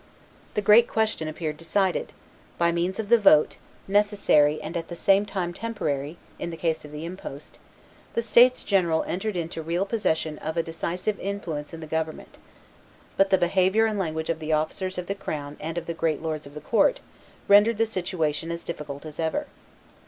The great question appeared decided; by means of the vote, necessary and at the same time temporary, in the case of the impost, the states general entered into real possession of a decisive influence in the government; but the behavior and language of the officers of the crown and of the great lords of the court rendered the situation as difficult as ever.